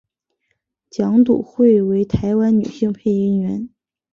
蒋笃慧为台湾女性配音员。